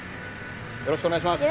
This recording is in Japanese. よろしくお願いします。